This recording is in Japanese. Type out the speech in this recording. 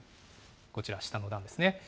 こちら、下の段ですね。